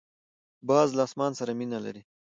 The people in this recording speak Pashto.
باز له اسمان سره مینه لري